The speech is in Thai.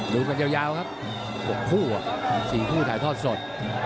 สู่กันยาวครับ๖คู่อ่ะ๔คู่ไถทอดสด